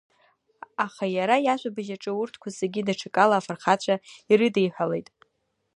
Аха иара иажәабжь аҿы урҭқәа зегьы даҽакала афырхацәа ирыдиҳәалеит.